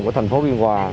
của thành phố biên hòa